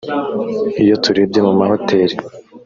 iyo turebye mu mahoteli